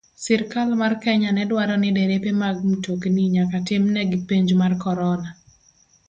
Sirkal mar Kenya ne dwaro ni derepe mag mtokni nyaka timnegi penj mar corona